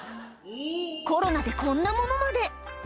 コロナでこんなものまで。